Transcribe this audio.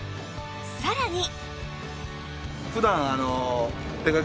さらに